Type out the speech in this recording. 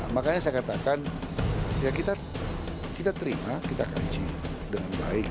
makanya saya katakan ya kita terima kita kaji dengan baik